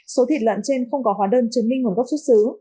số thịt lợn trên không có hóa đơn chứng minh nguồn gốc xuất xứ